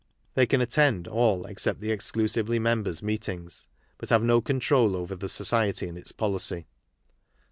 They can attend all except the exclusively members' meet ings, but have no control over the Society aiid its pohcy.